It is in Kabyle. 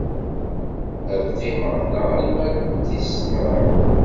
Ad qqimeɣ da arma d tis mraw.